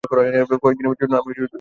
কয়েকদিনের জন্য আমি দূরে চলে গিয়েছিলাম।